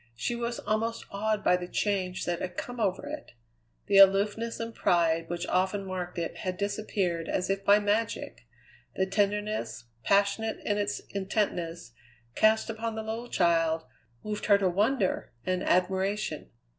She was almost awed by the change that had come over it. The aloofness and pride which often marked it had disappeared as if by magic; the tenderness, passionate in its intentness, cast upon the little child, moved her to wonder and admiration.